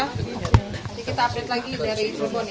nanti kita update lagi dari telepon ya